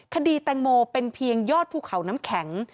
คดีแตงโมเป็นเพียงยอดภูเขาน้ำแข็ง